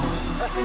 enggak berisik lu